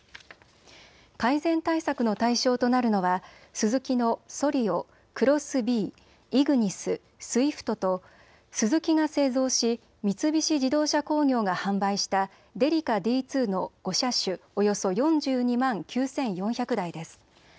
改善対策の対象となるのは、スズキのソリオ、クロスビー、イグニス、スイフトとスズキが製造し三菱自動車工業が販売したデリカＤ：２の５車種、およそ４２万９４００台です。